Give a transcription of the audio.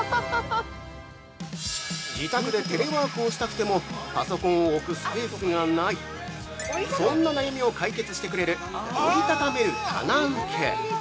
◆自宅でテレワークをしたくてもパソコンを置くスペースがないそんな悩みを解決してくれる折り畳める棚受け。